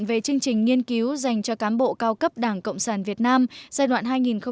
về chương trình nghiên cứu dành cho cán bộ cao cấp đảng cộng sản việt nam giai đoạn hai nghìn một mươi bảy hai nghìn một mươi chín